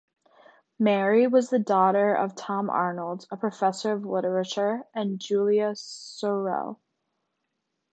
Mary was the daughter of Tom Arnold, a professor of literature, and Julia Sorrell.